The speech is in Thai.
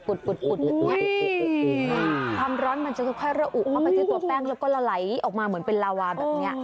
ความร้อนมันจะค่อยระอุออกไปจากตัวแป้งแล้วก็ละไหลออกมาเหมือนเป็นลาวาแบบเนี่ย